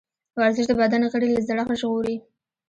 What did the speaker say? ورزش د بدن غړي له زړښت ژغوري.